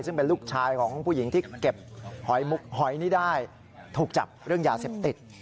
ซึ่งเป็นลูกชายของผู้หญิงที่เก็บหอยมุกหอยนี้ได้ถูกจับเรื่องยาเสพติด